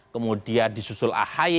kemudian disusul ahy